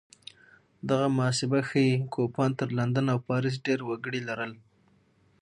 دغه محاسبه ښيي کوپان تر لندن او پاریس ډېر وګړي لرل